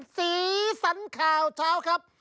สีสันข่าวเช้าครับ